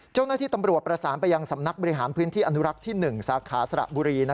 เจ้าหน้าที่ตำรวจประสานไปยังสำนักบริหารพื้นที่อนุรักษ์ที่๑สาขาสระบุรี